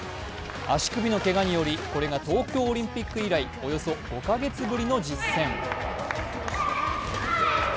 足首のけがにより、これが東京オリンピック以来、およそ５カ月ぶりの実戦。